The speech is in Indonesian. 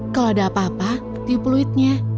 kalau ada apa apa tiup fluidnya